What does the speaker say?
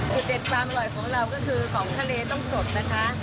เด็ดความอร่อยของเราก็คือของทะเลต้องสดนะคะ